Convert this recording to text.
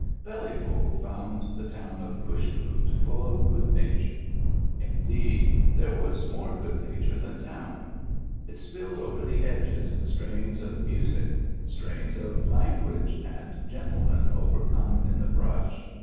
Bellyful found the town of Push Root full of good nature. Indeed, there was more good na ture than town; it spilled over the edges in strains of music, strains of language, and gentle men overcome in the brush.